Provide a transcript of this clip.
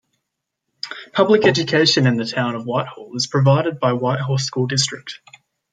Public education in the town of Whitehall is provided by Whitehall School District.